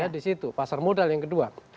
di situ pasar modal yang kedua